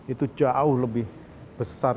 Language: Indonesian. itu jauh lebih besar